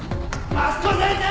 益子先生！